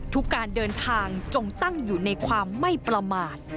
การเดินทางจงตั้งอยู่ในความไม่ประมาท